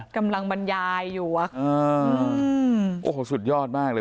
กำลังบรรยายอยู่อ่ะอ่าโอ้โหสุดยอดมากเลย